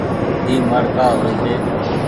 ديئي مآڙ ڪآ هووي ڇي۔